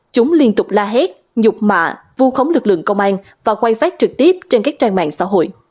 chúng liên tục la hét nhục mạ vu khống lực lượng công an và quay phát trực tiếp trên các trang mạng xã hội